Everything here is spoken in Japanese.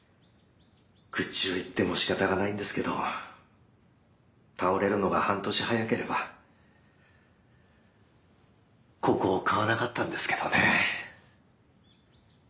愚痴を言ってもしかたがないんですけど倒れるのが半年早ければここを買わなかったんですけどね。